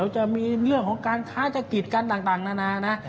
จะมีเรื่องของการท้าชะกิจกันต่างนานานะ